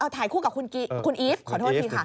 ถ่ายคู่กับคุณอีฟขอโทษทีค่ะ